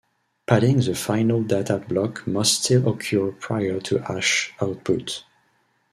Padding the final data block must still occur prior to hash output.